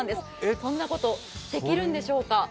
そんなこと、できるんでしょうか。